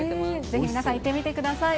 ぜひ皆さん、行ってみてください。